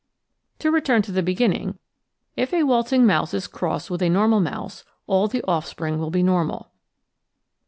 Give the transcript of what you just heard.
To return to the beginning, if a waltzing mouse is crossed with a normal mouse, all the off spring wiU be normal.